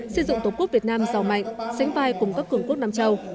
xây dựng tổ quốc việt nam giàu mạnh sánh vai cùng các cường quốc nam châu